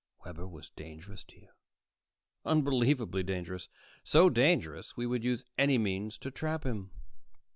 "Webber was dangerous to you?" "Unbelievably dangerous. So dangerous we would use any means to trap him."